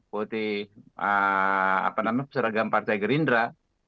putih apa namanya seragam partai gerindra